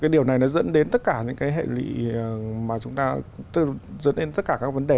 điều này dẫn đến tất cả các vấn đề